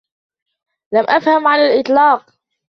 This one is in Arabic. لم أفهمه على الإطلاق.